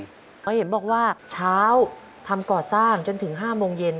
เพราะเห็นบอกว่าเช้าทำก่อสร้างจนถึง๕โมงเย็น